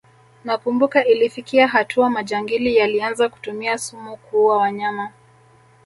Nakumbuka ilifikia hatua majangili yalianza kutumia sumu kuua wanyama